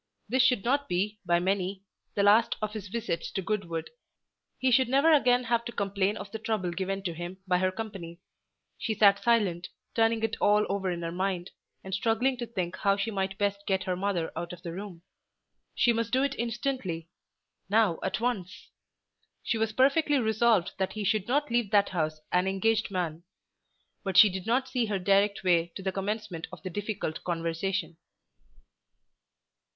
This should not be, by many, the last of his visits to Goodwood. He should never again have to complain of the trouble given to him by her company. She sat silent, turning it all over in her mind, and struggling to think how she might best get her mother out of the room. She must do it instantly; now at once. She was perfectly resolved that he should not leave that house an engaged man. But she did not see her direct way to the commencement of the difficult conversation.